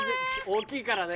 大きいからね。